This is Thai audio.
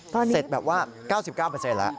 ตอนนี้เสร็จแบบว่า๙๙แล้ว